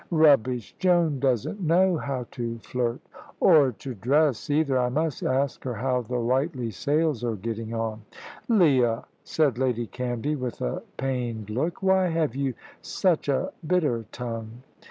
"Rubbish! Joan doesn't know how to flirt." "Or to dress either. I must ask her how the Whiteley sales are getting on." "Leah!" said Lady Canvey, with a pained look. "Why have you such a bitter tongue?"